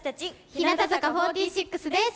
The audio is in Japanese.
日向坂４６です。